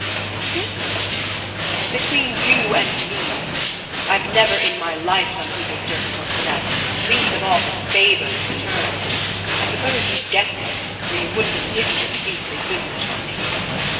"The difference!" "Between you and me. I've never in my life done people's dirty work for them least of all for favours in return. I suppose you guessed it, or you wouldn't have hidden this beastly business from me."